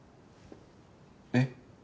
えっ？